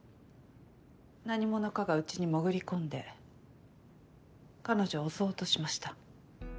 何者かがうちに潜り込んで彼女を襲おうとしました。